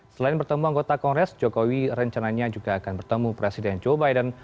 selain bertemu anggota kongres jokowi rencananya juga akan bertemu presiden joe biden